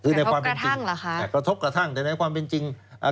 คือในความเป็นจริงแต่ในความเป็นจริงอ่า